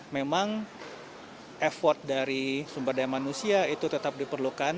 memang effort dari sumber daya manusia itu tetap diperlukan